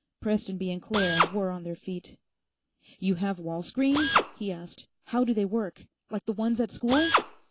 Prestonby and Claire were on their feet. "You have wall screens?" he asked. "How do they work? Like the ones at school?"